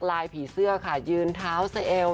ลายผีเสื้อค่ะยืนเท้าเซลล์